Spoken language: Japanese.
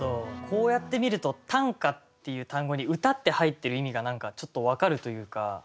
こうやって見ると「短歌」っていう単語に「歌」って入ってる意味が何かちょっと分かるというか。